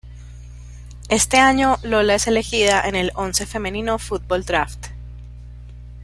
Este año Lola es elegida en el Once Femenino Fútbol Draft.